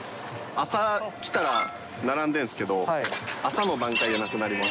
朝来たら並んでるんですけど、朝の段階でなくなります。